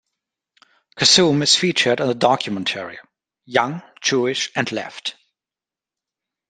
Khazzoom is featured in the documentary, "Young, Jewish, and Left".